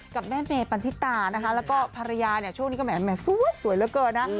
กับแม่เมปันที่ตาและภรรยาช่วงนี้แม่สวยสวยเฉย